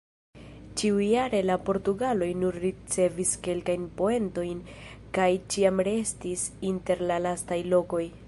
Ĉiujare la portugaloj nur ricevis kelkajn poentojn kaj ĉiam restis inter la lastaj lokoj.